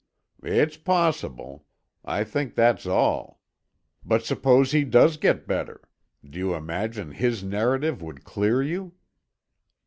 "It's possible; I think that's all. But suppose he does get better? Do you imagine his narrative would clear you?"